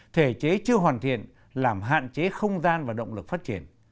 thể chế chưa hoàn thiện làm hạn chế không gian và động lực phát triển